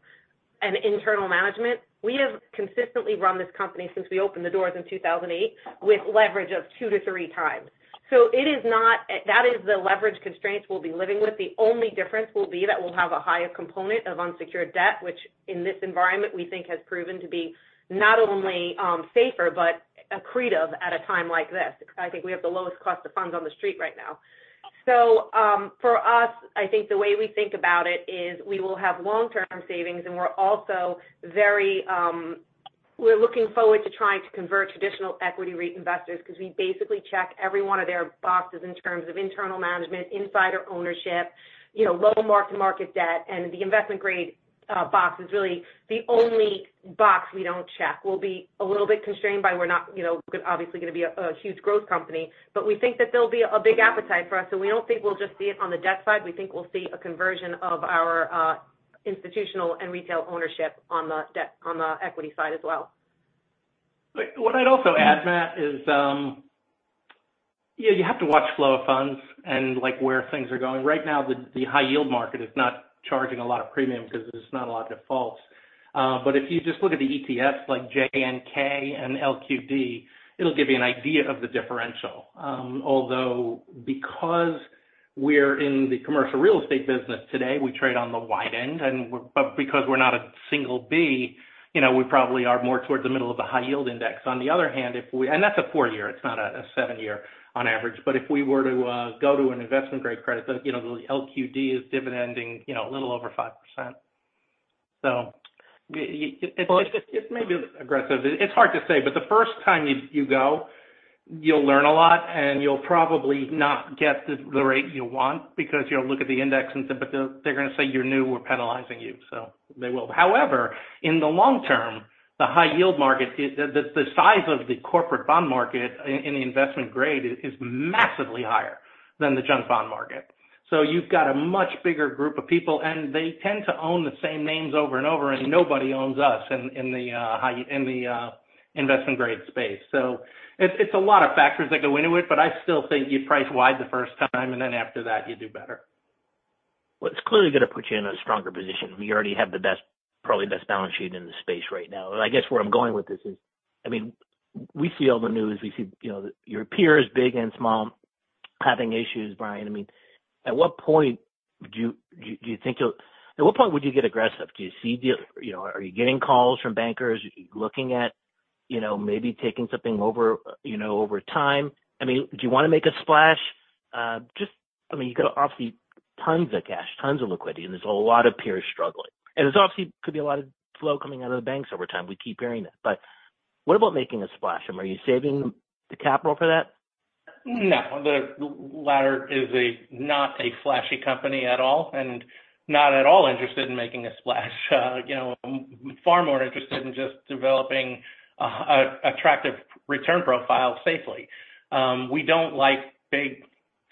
and internal management, we have consistently run this company since we opened the doors in 2008 with leverage of two to three times. So that is the leverage constraints we'll be living with. The only difference will be that we'll have a higher component of unsecured debt, which in this environment, we think has proven to be not only safer, but accretive at a time like this. I think we have the lowest cost of funds on the street right now. So for us, I think the way we think about it is we will have long-term savings, and we're also very looking forward to trying to convert traditional equity REIT investors because we basically check every one of their boxes in terms of internal management, insider ownership, low mark-to-market debt. And the investment-grade box is really the only box we don't check. We'll be a little bit constrained by we're not obviously going to be a huge growth company. But we think that there'll be a big appetite for us. So we don't think we'll just see it on the debt side. We think we'll see a conversion of our institutional and retail ownership on the equity side as well. What I'd also add, Matt, is you have to watch flow of funds and where things are going. Right now, the high-yield market is not charging a lot of premium because there's not a lot of defaults. But if you just look at the ETFs like JNK and LQD, it'll give you an idea of the differential. Although because we're in the commercial real estate business today, we trade on the wide end. But because we're not a single B, we probably are more towards the middle of the high-yield index. On the other hand, and that's a four-year, it's not a seven-year on average. But if we were to go to an investment-grade credit, the LQD is dividending a little over 5%. So it's maybe aggressive. It's hard to say. But the first time you go, you'll learn a lot, and you'll probably not get the rate you want because you'll look at the index and say, But they're going to say you're new, we're penalizing you. So they will. However, in the long term, the high-yield market, the size of the corporate bond market in the investment-grade is massively higher than the junk bond market. So you've got a much bigger group of people, and they tend to own the same names over and over, and nobody owns us in the investment-grade space. So it's a lot of factors that go into it, but I still think you price wide the first time, and then after that, you do better. Well, it's clearly going to put you in a stronger position. You already have the best, probably best balance sheet in the space right now. And I guess where I'm going with this is, I mean, we see all the news. We see your peers, big and small, having issues, Brian. I mean, at what point would you get aggressive? Are you getting calls from bankers? Are you looking at maybe taking something over time? I mean, do you want to make a splash? Just, I mean, you've got obviously tons of cash, tons of liquidity, and there's a lot of peers struggling. And there's obviously could be a lot of flow coming out of the banks over time. We keep hearing that. But what about making a splash? I mean, are you saving the capital for that? No. The Ladder is not a flashy company at all and not at all interested in making a splash. Far more interested in just developing an attractive return profile safely. We don't like big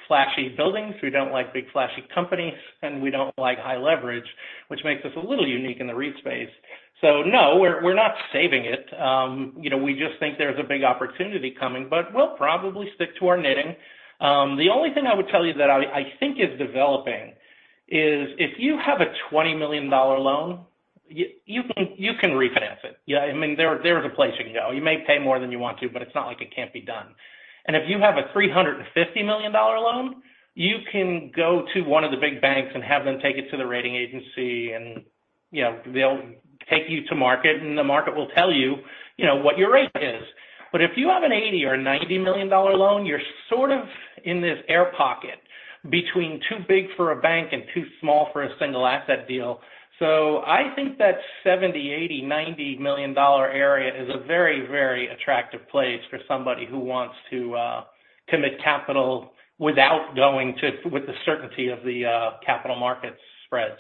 flashy buildings. We don't like big flashy companies, and we don't like high leverage, which makes us a little unique in the REIT space. So no, we're not saving it. We just think there's a big opportunity coming, but we'll probably stick to our knitting. The only thing I would tell you that I think is developing is if you have a $20 million loan, you can refinance it. I mean, there's a place you can go. You may pay more than you want to, but it's not like it can't be done. If you have a $350 million loan, you can go to one of the big banks and have them take it to the rating agency, and they'll take you to market, and the market will tell you what your rate is. But if you have an $80 or $90 million loan, you're sort of in this air pocket between too big for a bank and too small for a single asset deal. So I think that $70, $80, $90 million area is a very, very attractive place for somebody who wants to commit capital without going with the certainty of the capital market spreads.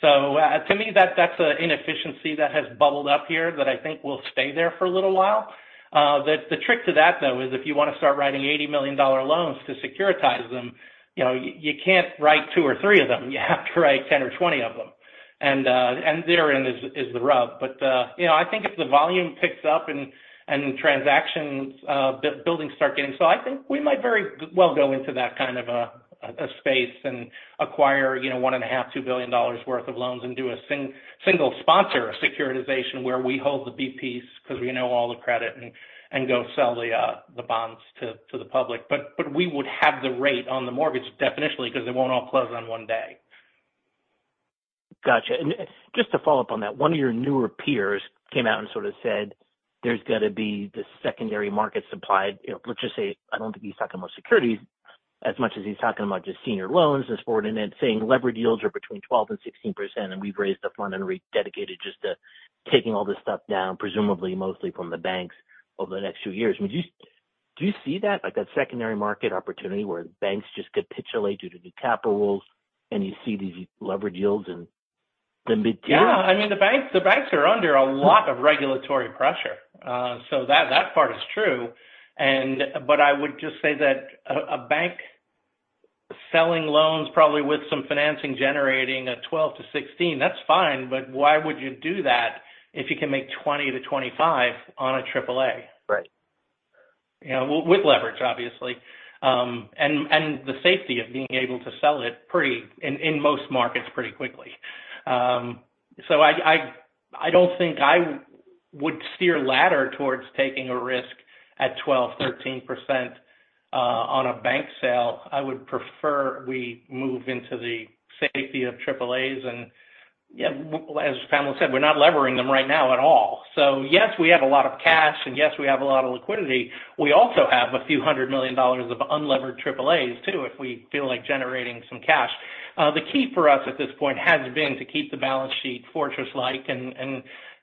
So to me, that's an inefficiency that has bubbled up here that I think will stay there for a little while. The trick to that, though, is if you want to start writing $80 million loans to securitize them, you can't write two or three of them. You have to write 10 or 20 of them. And therein is the rub. But I think if the volume picks up and transaction buildings start getting so I think we might very well go into that kind of a space and acquire $1.5-$2 billion worth of loans and do a single sponsor of securitization where we hold the B-piece because we know all the credit and go sell the bonds to the public. But we would have the rate on the mortgage definitely because it won't all close on one day. Gotcha. And just to follow up on that, one of your newer peers came out and sort of said there's got to be the secondary market supply. Let's just say I don't think he's talking about securities as much as he's talking about just senior loans and mezzanine. And then saying leverage yields are between 12%-16%, and we've raised the fund and we've dedicated just to taking all this stuff down, presumably mostly from the banks over the next few years. I mean, do you see that, that secondary market opportunity where banks just capitulate due to new capital rules and you see these leverage yields in the mid-teens? Yeah. I mean, the banks are under a lot of regulatory pressure. So that part is true. But I would just say that a bank selling loans probably with some financing generating a 12-16, that's fine. But why would you do that if you can 20-25 on a AAA? Right. With leverage, obviously. And the safety of being able to sell it in most markets pretty quickly. So I don't think I would steer Ladder towards taking a risk at 12%-13% on a bank sale. I would prefer we move into the safety of AAAs. And yeah, as Pamela said, we're not leveraging them right now at all. So yes, we have a lot of cash, and yes, we have a lot of liquidity. We also have a few hundred million dollars of unleveraged AAAs too if we feel like generating some cash. The key for us at this point has been to keep the balance sheet fortress-like. And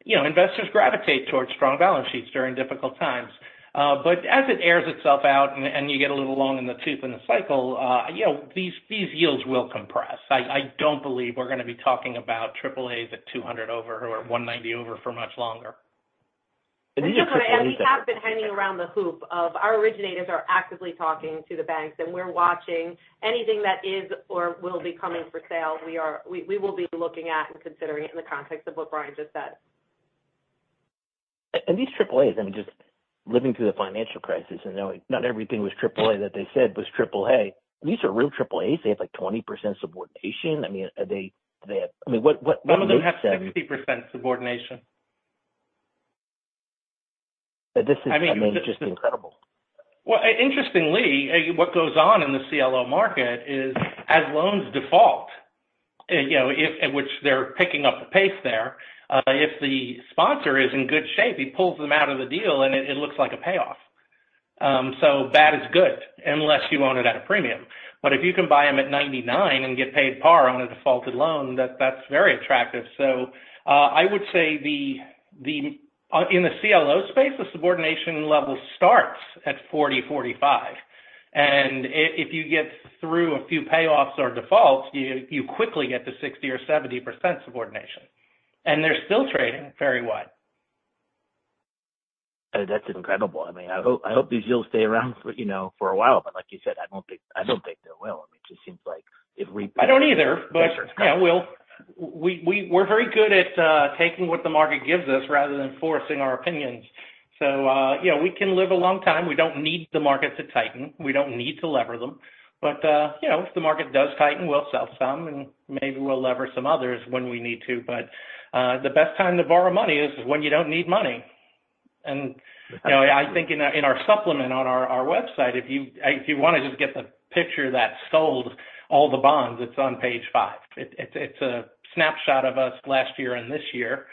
investors gravitate towards strong balance sheets during difficult times. But as it bears itself out and you get a little long in the tooth in the cycle, these yields will compress. I don't believe we're going to be talking about AAAs at 200 over or 190 over for much longer. These are companies that. We have been hanging around. The hope is our originators are actively talking to the banks, and we're watching anything that is or will be coming for sale. We will be looking at and considering it in the context of what Brian just said. These AAAs, I mean, just living through the financial crisis and knowing not everything was AAA that they said was AAA. These are real AAAs. They have like 20% subordination. I mean, do they have? I mean, what do they have to say? Some of them have 60% subordination. This is, I mean, just incredible. Well, interestingly, what goes on in the CLO market is as loans default, which they're picking up the pace there, if the sponsor is in good shape, he pulls them out of the deal, and it looks like a payoff. So bad is good unless you want it at a premium. But if you can buy them at 99 and get paid par on a defaulted loan, that's very attractive. So I would say in the CLO space, the subordination level starts at 40, 45. And if you get through a few payoffs or defaults, you quickly get to 60 or 70% subordination. And they're still trading very wide. That's incredible. I mean, I hope these yields stay around for a while. But like you said, I don't think they will. I mean, it just seems like if we. I don't either. But yeah, we're very good at taking what the market gives us rather than forcing our opinions. So we can live a long time. We don't need the market to tighten. We don't need to lever them. But if the market does tighten, we'll sell some and maybe we'll lever some others when we need to. But the best time to borrow money is when you don't need money. And I think in our supplement on our website, if you want to just get the picture that sold all the bonds, it's on page five. It's a snapshot of us last year and this year.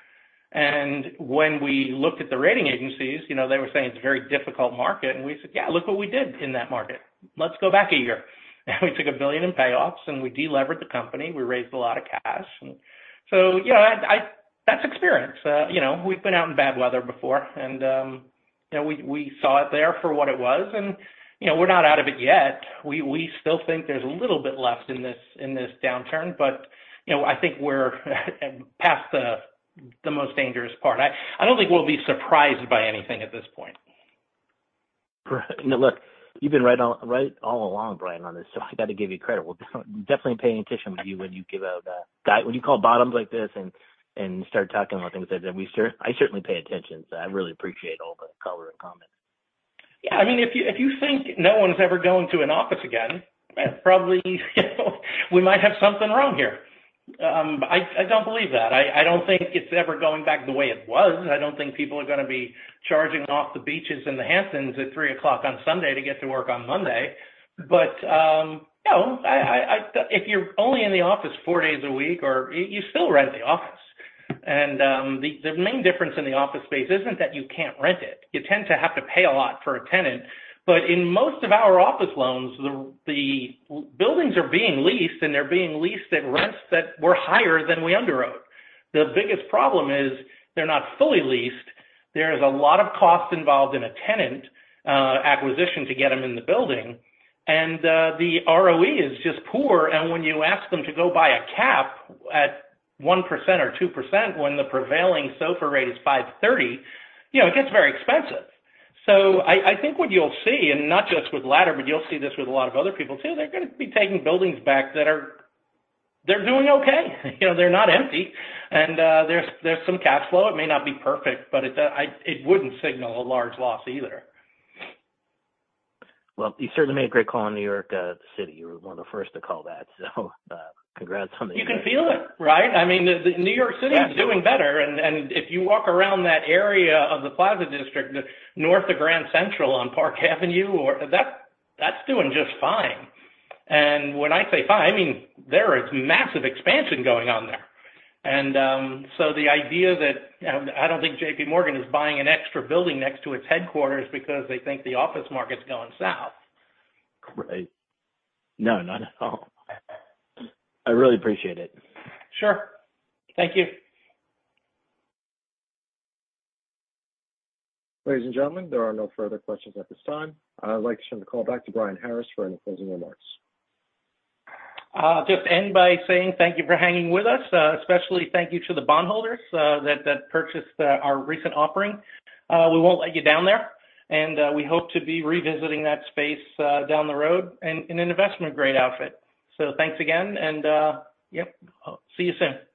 And when we looked at the rating agencies, they were saying it's a very difficult market. And we said, Yeah, look what we did in that market. Let's go back a year. And we took $1 billion in payoffs, and we delevered the company. We raised a lot of cash. And so that's experience. We've been out in bad weather before, and we saw it there for what it was. And we're not out of it yet. We still think there's a little bit left in this downturn, but I think we're past the most dangerous part. I don't think we'll be surprised by anything at this point. Look, you've been right all along, Brian, on this. I got to give you credit. We're definitely paying attention to you when you give out when you call bottoms like this and start talking about things like that. I certainly pay attention. I really appreciate all the color and comments. Yeah. I mean, if you think no one's ever going to an office again, probably we might have something wrong here. I don't believe that. I don't think it's ever going back the way it was. I don't think people are going to be charging off the beaches in the Hamptons at 3:00 P.M. on Sunday to get to work on Monday. But if you're only in the office four days a week, you still rent the office. And the main difference in the office space isn't that you can't rent it. You tend to have to pay a lot for a tenant. But in most of our office loans, the buildings are being leased, and they're being leased at rents that were higher than we underwrote. The biggest problem is they're not fully leased. There is a lot of cost involved in a tenant acquisition to get them in the building. The ROE is just poor. When you ask them to go buy a cap at 1% or 2% when the prevailing SOFR rate is 5.30%, it gets very expensive. So I think what you'll see, and not just with Ladder, but you'll see this with a lot of other people too, they're going to be taking buildings back that are doing okay. They're not empty. There's some cash flow. It may not be perfect, but it wouldn't signal a large loss either. Well, you certainly made a great call in New York City. You were one of the first to call that. Congrats on that. You can feel it, right? I mean, New York City is doing better. And if you walk around that area of the Plaza District, north of Grand Central on Park Avenue, that's doing just fine. And when I say fine, I mean, there is massive expansion going on there. And so the idea that I don't think JPMorgan is buying an extra building next to its headquarters because they think the office market's going south. Great. No, not at all. I really appreciate it. Sure. Thank you. Ladies and gentlemen, there are no further questions at this time. I'd like to turn the call back to Brian Harris for any closing remarks. Just end by saying thank you for hanging with us. Especially thank you to the bondholders that purchased our recent offering. We won't let you down there. And we hope to be revisiting that space down the road in an Investment-Grade outfit. So thanks again. And yep, see you soon. Bye.